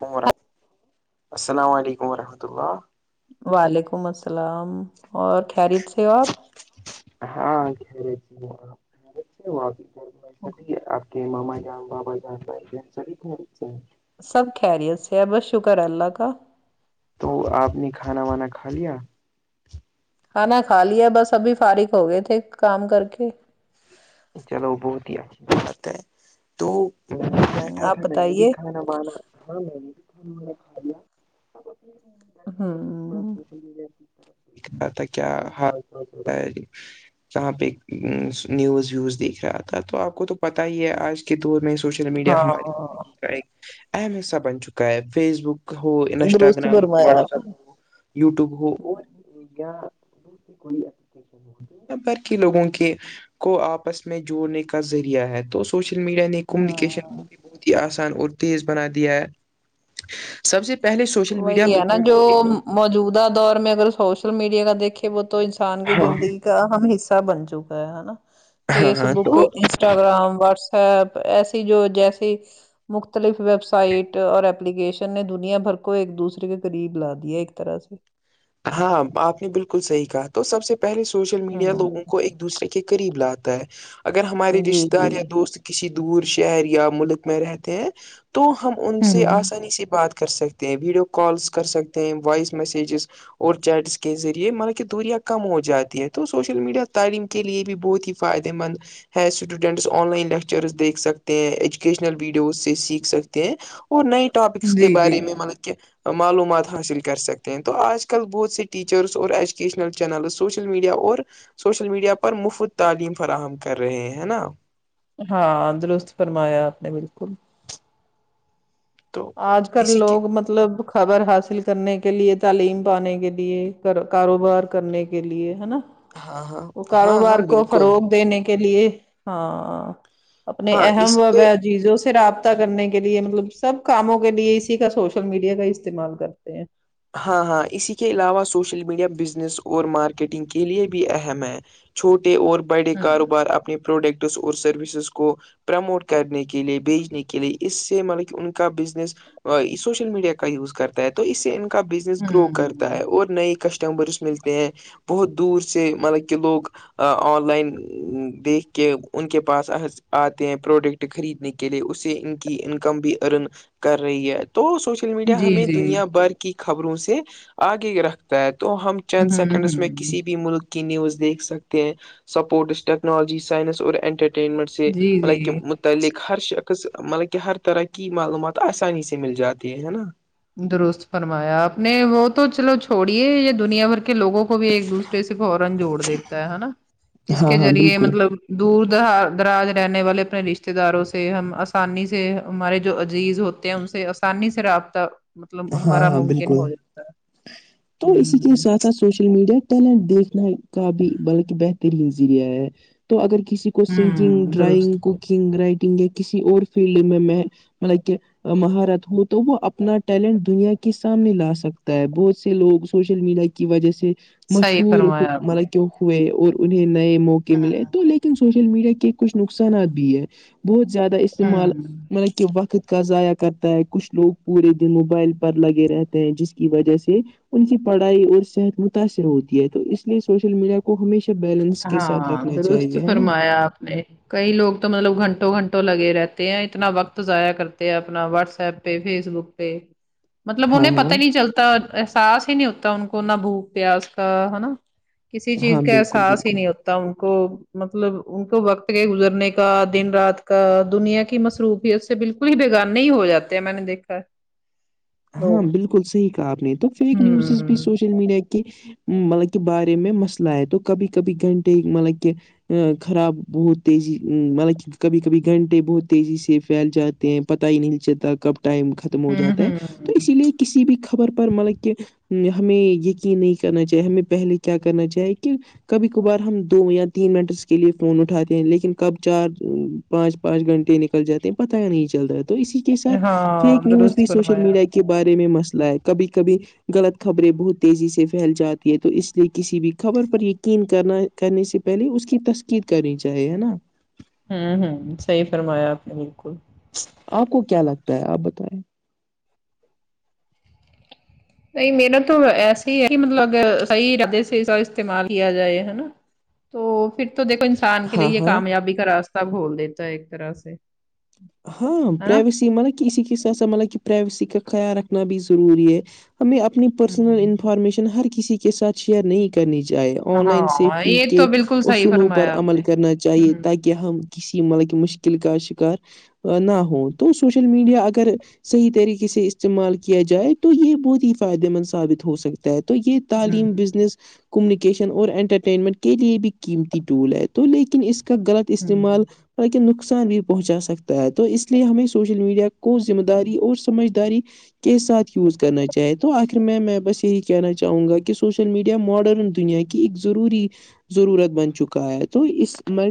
وورحمۃ السلام علیکم وورحمۃ اللہ وعلیکم السلام اور خیریت سے ہو آپ ہاں گرے وہ گرے وہقی کہ مما جا بابا جا بائ جین سب خری ہے سب خیریت سے ہے بس شکر ہے اللہ کا تو آپ نے کھانا وانا کھا لیا ہ نا کای ہے بس ابھی فارق ہو گئے تھے کام کر کے چلو بہت ہی اچھی بات ہے تو میں ہوں بیٹھا آپ تھا میں نے بھی بتائیے کھانا بانا ہاں نہیں تو کاھا کر ہوں تھڑا د رہا تھا کیا حالال ہو ہے کہاں پہ نیوز ویوز دیکھ رہا تھا تو آپ کو تو پتا ہی ہے آج کے دور میں سوشل میڈیا ہماری زگی ہاں کا ایک اہم حساب چ کا ہے فیس بک ہو درست انسٹاگرام ہو فرمایا واٹس آپ نے ایپ ہو یو ٹیوب ہو اور یا دوسری کوئی اپلیکیشن بھر کے لوگوں کے کو آپ آپس میں جوڑنے کا ذریعہ ہے تو سوشل میڈیا نے کمیونیکیشن ہاں آان اور تیز بنا دیا ہے سب سے پہلے سوشل میڈیا وہی ہے لوگ نا جو کو موجودہ دور میں اگر سوشل میڈیا کا دیکھے وہ تو انسان کی ہاں زندگی ایک اہم حصہ بن چکا ہےا ہاں فیس ہاں بک تو انسٹاگرام واٹس ایپ ایسی جو جیسی مختلف ویب سائٹ اور ایلیکیشن نے دنیا بھر کو ایک دوسرے کے قریب لا دیا ایک طرح سے ہاں آپ نے بالکل صحیح کہا تو سب سے پہلے سوشل میڈیا لوگوں ہاں کو ایک دوسرے کے کے قریب لاتا ہے اگر ہمارے جی رشتے دار جی یا دوست کے کسی دور شہر یا ملک میں رہتے ہیں تو ہم ان ہ سے آسانی سے بات کر سکتے ہیں ویڈیو کالس کر سکتے ہیں وائس میسجز اور چیٹس کے ذریعے مطلب کہ دوریا کم ہو جاتی ہے تو سوشل میڈیا تعلیم کے لیے بھی بہت ہی فائدے مند ہے اسٹوڈینٹس آن لائن لیکچر دیکھ سکتے ہیں ایجوکیشنل ویڈیوز سے سیکھ سکتے ہیں وہ نئے ٹاپکس کے جی جی بارے میں مطلب کہ معلومات حاصل کر سکتے ہیں تو آج آج کل بہت سے ٹیچرس اور ایجوکیشنل چینلز سوشل میڈیا اور سوشل میڈیا پر مفت تعلیم فراہم کر رہے ہیں ہے نا ہاں درست فرمایا آپ نے بالکل تو آج کل اسی کے لوگ مطلب خبر حاصل کرنے کے لیے تعلیم پانے کے لیے کاروبار کرنے کے لیے ہے نا ہاں ہاں وہ ہاں کاروبار ہاں کو بالکل فروغ دینے کے لیے ہاں اپنے ہاں اہم اسی و کے چیزوں سے رابطہ کرنے کے لیے مطلب سب کاموں کے لیے اسی کا سوشل میڈیا کا استعمال کرتے ہیں ہاں ہاں اسی کے علاوہ سوشل میڈیا بزنس اور مارکیٹنگ کے لیے بھی اہم ہے چھوٹے اور بڑے ہوں کاروبار اپنے پروڈکٹس اور سروسز کو پرموٹ کرنے کے لیے بھیجنے کے لیے اس سے مطلب کہ ان کا بزنس سوشل میڈیا کا یوز کرتا ہے تو اس سے ان کا بزنس گرو کرتا ہوں ہے اور نئے کسٹمرس ملتے ہیں بہت دور سے مطلب کہ لوگ آن لائن دیکھ کے ان کے پاس آتے ہیں پروڈکٹ خریدنے کے لیے اسے ان کی انکم بھی ارن کر رہی ہے تو سوچ میڈیا جی ہمیں جی دنیا بھر کی خبروں سے آگے رکھتا ہے تو ہم چند ہوں سیکنڈس میں ہوں کسی بھی ملک نیوز دیکھ سکتے ہیں سپورٹس ٹیکنالوجی سائنس اور انٹرٹین سے جی جی متعلق ہر ش [unintelligible] ک مطلب کہ ہر طرح کی معلومات آسانی سے مل جاتی ہے ہے نا درست فرمایا آپ نے وہ تو چلو چھوڑیے یا دنیا بھر کہ لوگوں کو بھی ایک دوسرے سے فورا جوڑ دیتا ہے ہے نا اس ہاں کے ہاں ذریعے بالکل مطلب دور د دراز رہنے والے اپنے رشتے داروں سے ہم آسانی سے ہمارے جو عزیز ہو ان سے آسانی سے رابطہ مطلب ہاں ہمارا ہاں ممکن بالکل ہو جاتا ہے تو اسی کےے ہوں ساتھ ساتھ [unintelligible] سوشل میڈیا ٹیلنٹ دیکھنا کا بھی بلکہ بہترین ذریعہ ہے تو اگر کسی سنکگ ہوں درست ڈرائگ کو [unintelligible] رائٹنگ یا کسی اور فیلڈ میں میں مطلب مہارت ہوں تو وہ اپنا ٹیلنٹ دنیا کے سامنے لا سکتا ہے بہت سے لوگ سوشل میڈیا کی وجہ سے صحیح مشہور فرمایا آپ نے ملب ہوئے اور انہیں نئے موقع ملے ہاں تو لیکن سوچ سوشل میڈیا کے کچھ نقصانات بھی ہے بہت زیادہ استعمال ہوں م کے وقت کا ضائع کرتا ہے کچھ لوگ پورے موبائل پر لگے رہتے ہیں جس کی وجہ سے [unintelligible] ان کی پڑھائی اور صحت متاثر ہوتی ہے تو اس لیے سوشل میڈیا کو کو ہمیشہ بیلنس کے ساتھ ہاں رکھنا درست چاہیے ہے نا فرمایا آپ نے [unintelligible] کئی لوگ تو مطلب گھنٹوں گھنٹوں لگے رہتے ہیں اتنا وقت ضائع کرتے ہیں اپنا واٹس ایپ پ فیس بک پہ ھم [unintelligible] مطلب انہیں پتا ہی نہیں چلتا احساس ہی نہیں ہوتا ان کو نہ بھوک پیاس کا ہے نا کسی چیز ہاں کا بالکل احساس ہی بالکل نہیں ہوتا ان کو مطلب ان کو وقت کے گزرنے کا دن رات کا دنیا کی مصروفیت بالکل ہی بےگان نہیں ہو جاتے ہیں میں نے دیکھا ہاں لوگ بالکل صحیح کہا آپ نے تو فیک نیوزز بھی ہوں سوشل میڈیا کی کہ مطلب کہ بارے میں مسئلہ ہےئے تو کبھی کبھی گھنٹے مطلب کہ ا خراب بہت تیزی ا مطلب کبھی کبھی گھنٹے بہت تیزی سے پھیل جاتے ہیں پتہ ہی نہیں چلتا کب ٹائم ختم ہو ہوں جاتا ہے تو ہوں اسی لیے کسی بھی خبر پر مطلب کہ ہمیں یقین نہیں کرنا چاہیے ہمیں پہلے کیا کرنا چاہے کہ کبھی کبھار ہم دو یا تین منٹ اس کے لیے فون اٹھاتے ہیں لیکن کب چار پانچ پانچ گھنٹے نکل جاتے ہیں پتا نہیں چل رہتا ہے تو اسی کے ساتھ فیک ہاں نیوز درست بھی سوشل فرمایا میڈیا کی بارے میں مسئلہ ہے کبھی کبھی غط خبریں بہت تیزی سے پھیل جاتی ہے تو اس لیے کسی بھی خبر پر یقین کرنا کرنے سے پہلے اس کی تسکید کرنی چاہیے ہے نا ہوں ہوں صحی فرمایا آپ نے بالکل آپ کو کیا لگتا ہے آپ بتائیں نہیں میرا تو ایسے ہی ہے کہ مطلب صحی عرادے سے استعمال کیا جائے ہےا تو پھر تو دیکھو انسان کے لیے ہاں یہ ہاں کامیابی کا راستہ بھول دیتا ہے ایک طرح سے ہاں ہے نا پرائیویسی مطلب کہ اسی کے ساتھ س مطلب کہ پرائیویسی کا خیال رکھنا بھی ضروری ہے ہمیں اپنی پرسنل ہوں انفارمیشن ہر کسی کے ساتھ شیئر نہیں کرنی چاہے آن لائن ہاں سیفٹی یہ کے تو بالکل صحیح اصولوں پر فرمایا آپ نے عمل کرنا چاہیے ہوں تاکہ کہ ہم کسی مطلب مشکل کا شکار نہ ہوں تو سوشل میڈیا اگر صحیح طریقے سے استعمال کیا جائے تو یہ بہت ہی فائدے مند ثابت ہو سکتا ہے تو یہ ہوں تعلیم بزنس کمیونیکیشن اور انٹرٹینمنٹ کے لیے بھی قیمتی ٹول ہے تو لیکن اس کا غلط ہوں استعمال تک نقصان بھی پہنچا سکتے ہے تو اس لیے ہمیں سوشل میڈیا کو ذمہ داری اور سمجھداری کے ساتھ یوز کرنا چاہے تو آخر میں میں بس یہی کہنا چاہوں گا کہ سوشل میڈیا ماڈرن دنیا کے کہ ایک ضروری ضرورت بن چکا ہے تو اس مر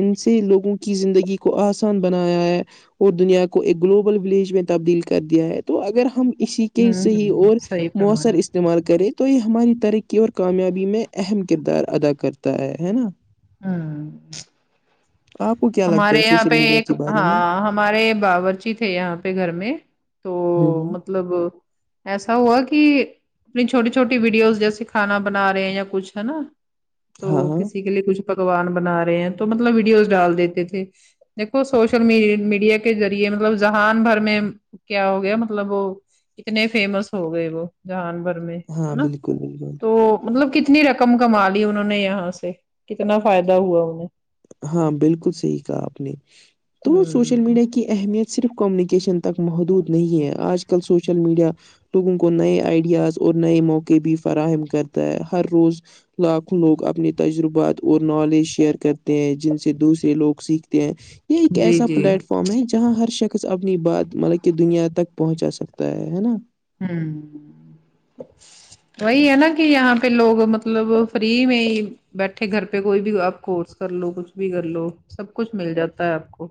ان سے لوگوں کی زندگی کو آسان بنایا ہے اور دنیا کو ایک گلوبل ولیج میں تبدیل کر دیا ہے تو اگر ہم اسی کے صحیح ہوں اور صحیح مؤثر فرمایا آپ نے استعمال کرے تو یہ ہماری ترقی اور کامیابی میں اہم کردار ادا کرتا ہے ہے نا ہوں آپ کو کیا لگتا ہمارے ہے یہاں پہ سوشل میڈیا ایک کے بارے میں ہاں ہمارے باورچی تھے یہاں پہ گھر میں تو ہوں ہوں مطلب ایسا ہوا کہ اپنی چھوٹی چھوٹی ویڈیوز جیسے کانا بنا رہے ہیں یا کچھ ہے نا تو ہاں ہاں کسی کے لیے کچھ پکوان بنا رہے ہیں تو مطلب ویڈیوز ڈال دیتے تھے دیکھو سوشل میڈیا کے ذریعے مطلب جہان بھر میں کیا ہو گیا مطلب وہ کتنے فیمس ہو گئے وہ جانور میں ہے ہاں نا بالکل بالکل تو مطلب کتنی رقم کما لی انہوں نے یہاں سے کتنا فائدہ ہوا انہیں ہاں بالکل صحیح کہا آپ نے تو سوشل ہ میڈیا کی اہمیت صرف کمیونیکیشن تک محدود نہیں ہے آج کل سوشل میڈیا لوگوں کو نئے آئیڈیاز اور نئے موقع بھی فراہم کرتا ہے ہر روز لاکھوں لوگ اپنے تجربات اور نالج شیئر کر ہیں جن سے دوسرے لوگ سیکھتے ہیں یہ ایک جی ایسا جی پلیٹ فارم ہے جہاں ہر شخص اپنی بات مطلب کہ دنیا تک پہنچا سکتا ہے نا ہوں ج وہی ہے نا کہ یہاں پہ لوگ مطلب فری میں بیٹھے گھر پہ کوئی بھی آپ کورس کر لو کچھ بھی کر لو سب کچھ مل جاتا ہے آپ کو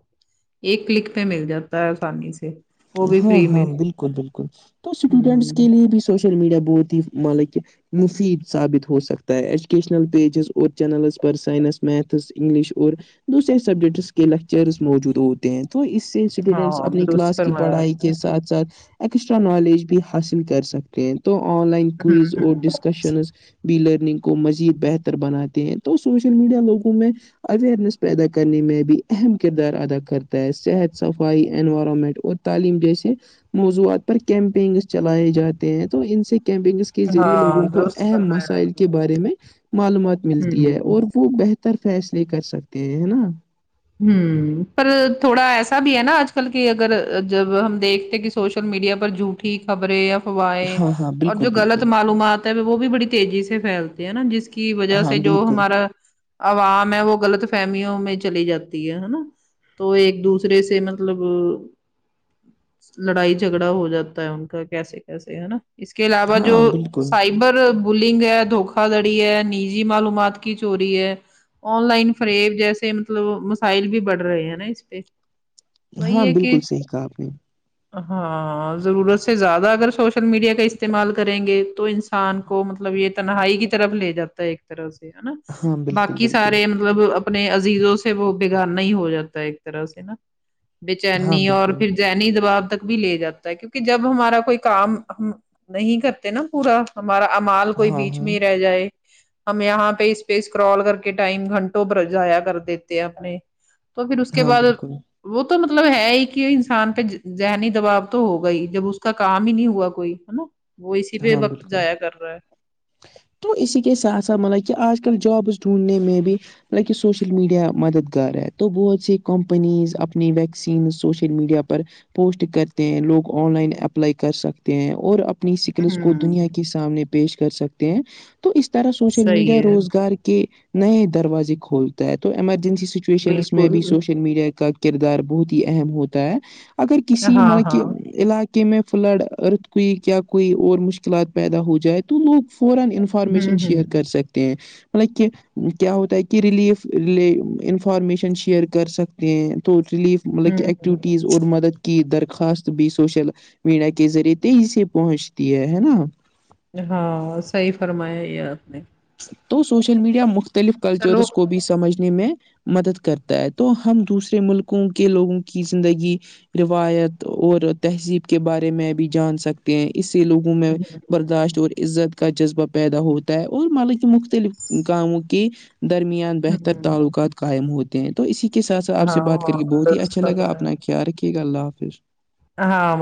ایک کلک پہ مل جاتا ہے آسانی سے وہ بھی ہاں فری ہاں میں بالکل بالکل تو اسٹوڈینٹس کے ہوں لیے بھی سوشل میڈیا بہت ہی مالک ہے مفید ثابت ہو سکتا ہے ایجوکیشنل پیجز اور چینلز پر سائنس میتھس انگلش اور دوسرے سبجیکٹس کے لیکچررس موجود ہوتے ہیں تو اس سے اسٹوڈنٹس ہاں اپنی درست کلاس کے کی فرمایا پڑھائی آپ نے ساتھ ساتھ ایکسٹرا نالج بھی حاصل کر سکتے تو آن لائن کوئز ہوں اور ہوں ڈسکشنز بھی لرننگ کو مزید بہتر بناتے ہیں تو سوشل میڈیا لوگوں میں اوئرنیس پیدا کرنے میں بھی اہم کردار ادا کرتا ہے صحت صفائی انوائرمنٹ اور تعلیم جیسے موضوعات پر کیمپینگس چلائے جاتے ہیں تو ان سے کیمپنگ کے ذریعے ہاں لوگوں کو درست اہم فرمایا مسائل آپ کے بارے میں معلومات نے ملتی ہے ہوں اور وہ بہتر فیصلے کر سکتے ہیں ہے نا ہ پر تھوڑا ایسا بھی ہے نا آج کل کہ اگر جب ہم دیکھتے کہ سوشل میڈیا پر جو ا خبریں افواہیں ہاں ہاں اور بالکل جو بالکل غلط معلومات ہے وہ بھی بڑی تیزی سے پھیلتی نا جس کی وجہ ہاں سے جو بالکل ہمارا عوام ہے وہ غلط فہمیوں میں چلی جاتی نا تو ایک دوسرے سے مطلب لڑائی جھگڑا ہو جاتا ہے ان کا کیسے کیسے ہے نا اس کے علاوہ جو ہاں بالکل سائبر بلنگ ہے دھوکا دڑی ہے نجی معلومات کی چوری ہے آن لائن فریب جیسے مطلب فائل بھی بڑھ رہے ہیں نا اس پہ وہی ہاں ہے کہ بالکل صحیح کہا آپ نے ہاں ضرورت سے زیادہ اگر سوشل میڈیا کا استعمال کریں گے تو ان کو مطلب یہ تنہائی کی طرف لے جاتا ہے ایک طرح سے ہے نا ہاں بالکل باقی بالکل سارے مطلب اپنے عزیزوں سے وہ بگڑ نہیں ہو جاتا ہے ایک طرح سے نا ہاں بےچینی اور بالکل پھر ذنیی دباب تک بھی لے جاتا ہے کیونکہ جب ہمارا کوئی کام ہم نہیں کرتے نا پورا ہمارا امال کوئی ہاں بیچ ہاں میں ہی رہ جائے ہم یہاں پہ اس پہ اسکرال کر کے ٹائم گھنٹوں پر جایا کر دیتے اپنے تو پھر اس کے ہاں بعد بالکل وہ تو مطلب ہے ہی کہ انسان پہ ذہنی دباؤ تو ہوگا ہی جب اس کا کام ہی نہیں ہوا کوئی ہے نا وہ اسی پہ ہاں وقت بالکل جایا کر رہا ہے تو اسی کے سات س سے مطلب کہ آج کل جابس ڈھونڈنے مے بی بہ سوشل میڈیا مددگار ہے تو بہت سی کمپنیز اپنی ویکسین سوشل میڈیا پر پوسٹ کرتے ہیں لوگ آن لائن اپلائی کر سکتے ہیں اور اپنی ہے کو ہوں دنیا کے سامنے پیش کر سکتے ہیں تو اس طرح سوشل میڈیا صحیح ہے روزگار کے نئے دروازے کھولتا ہے تو ایمرجنسی سچویشنس میں بالکل بھی سوشل میڈیا کا کردار بہت ہی اہم ہوتا ہے اگر ہاں کسی مطلب ہاں کہ ہوں علاج میں فل ارت کوئی کیا کوی اور مشکلات پیدا ہو جا تو لوگ فورا انفارمیشن ہوں شیئر کر سکتے ہیں مطلب کہ کیا ہوتا ہے کہ ریلیفے انفارمیشن شیئر کر سکتے ہیں تو ریلیف مطلب ہوں کہ ہوں ایکٹیویٹیز اور مدد کی درخواست بھی سوشل میڈیا کے ذریعے تھے اسے پہنچتی ہے ہے نا ہاں صحیح فرمایا یہ آپ نے تو سوشل میڈیا مختلف چلو کلچرس کو بھی سمجھ میں مدد کرتا ہے تو ہم دوسرے ملکوں کے لوگوں کی زندگی روایت اور تہذیب کے بارے میں بھی جان سکتے ہیں اس سے لوگ میں ہوں، برداشت اور عزت کا جذبہ پیدا ہوتا ہے اور مک مختلف کاموں کے درمیان بہتر ہوں، تعلقات قائم ہوتے ہیں تو اسی کے ساتھ س آپ سے بات کر ہاں کے بہت ہی درست اچھا کر لگا رہا ہے اپنا خیال رکھیے گا اللہ حافظ ہاں